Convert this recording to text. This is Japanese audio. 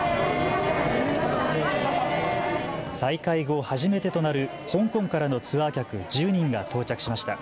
再開後、初めてとなる香港からのツアー客１０人が到着しました。